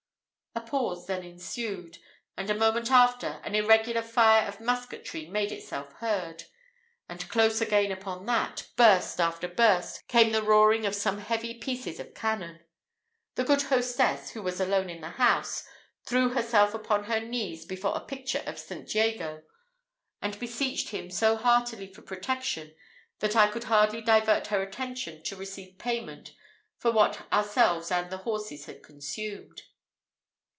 A pause then ensued; but the moment after, an irregular fire of musketry made itself heard, and close again upon that, burst after burst, came the roaring of some heavy pieces of cannon. The good hostess, who was alone in the house, threw herself upon her knees before a picture of St. Jago, and beseeched him so heartily for protection, that I could hardly divert her attention to receive payment for what ourselves and our horses had consumed.